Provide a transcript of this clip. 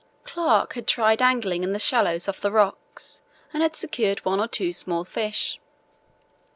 Clark had tried angling in the shallows off the rocks and had secured one or two small fish.